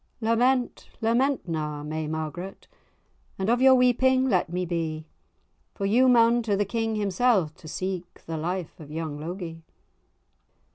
"Lament, lament na, may Margaret, And of your weeping let me be; For ye maun to the King himsell, To seek the life of young Logie."